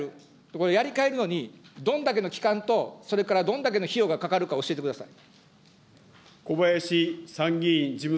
これ、やりかえるのにどんだけの期間と、それからどんだけの費用がかかるか、教えてください。